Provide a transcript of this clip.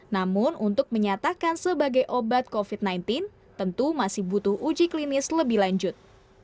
namun untuk menyatakan sebagai obat covid sembilan belas tentu masih butuh uji klinis lebih lanjut